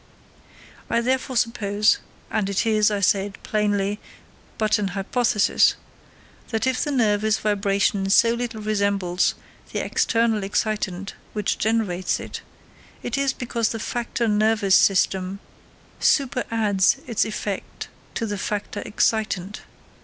I therefore suppose and this is, I say it plainly, but an hypothesis that if the nervous vibration so little resembles the external excitant which generates it, it is because the factor nervous system superadds its effect to the factor excitant.